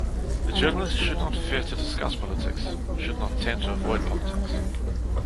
A journalist should not fear to discuss politics, should not tend to avoid politics.